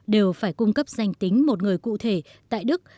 đều phải cung cấp danh tính một người cụ thể tại đức